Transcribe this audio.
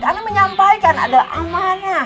karena menyampaikan adalah amanah